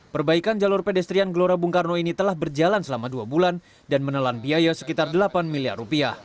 perbaikan jalur pedestrian gelora bung karno ini telah berjalan selama dua bulan dan menelan biaya sekitar rp delapan miliar rupiah